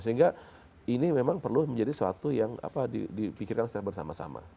sehingga ini memang perlu menjadi sesuatu yang dipikirkan secara bersama sama